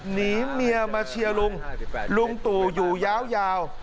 หนีเมียมาเชียร์ลุงลุงตู่อยู่ยาว